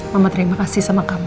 mama terima kasih sama kami